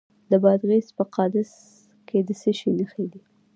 د بادغیس په قادس کې د څه شي نښې دي؟